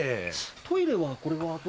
トイレはこれはどこ。